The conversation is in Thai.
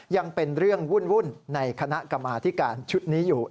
ยังเป็นเรื่องวุ่นในคณะกรรมาธิการชุดนี้อยู่